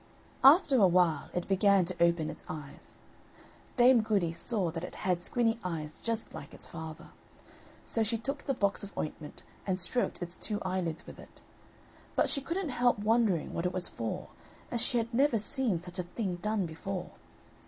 After a while it began to open its eyes. Dame Goody saw that it had squinny eyes just like its father. So she took the box of ointment and stroked its two eyelids with it. But she couldn't help wondering what it was for, as she had never seen such a thing done before.